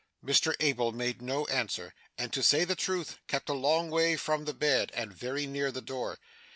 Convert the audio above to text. Mr Abel made no answer, and, to say the truth, kept a long way from the bed and very near the door.